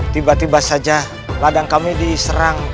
tiba tiba saja ladang kami diserang